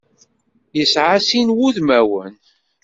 Yesɛa sin n wudmawen.